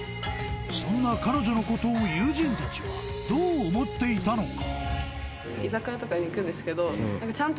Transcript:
そんな彼女のことを友人たちはどう思っていたのか？